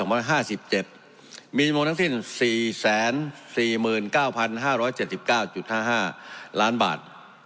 มี๕๗มีจำนวนทั้งสิ้น๔๔๙๕๗๙๕๕ล้านบาท